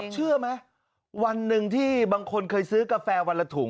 เชื่อไหมวันหนึ่งที่บางคนเคยซื้อกาแฟวันละถุง